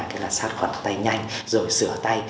cái là sát khuẩn tay nhanh rồi sửa tay